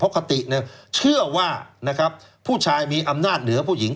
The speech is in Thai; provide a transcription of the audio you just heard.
เพราะคติเชื่อว่าผู้ชายมีอำนาจเหนือผู้หญิง